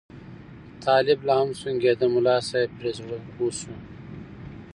طالب لا هم سونګېده، ملا صاحب پرې زړه وسو.